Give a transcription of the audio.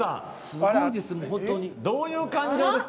どういう感情ですか？